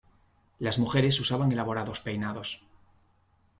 Las mujeres usaban elaborados peinados.